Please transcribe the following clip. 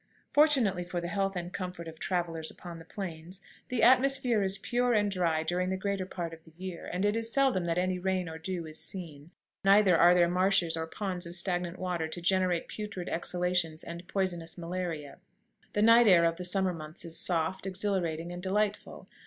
Fortunately for the health and comfort of travelers upon the Plains, the atmosphere is pure and dry during the greater part of the year, and it is seldom that any rain or dew is seen; neither are there marshes or ponds of stagnant water to generate putrid exhalations and poisonous malaria. The night air of the summer months is soft, exhilarating, and delightful.